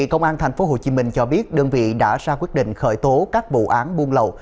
công an tp hcm cho biết đơn vị đã ra quyết định khởi tố các vụ án buôn lậu